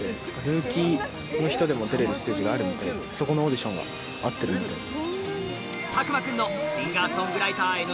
ルーキーの人でも出れるステージがあるんでそこのオーディションが合ってるみたいです。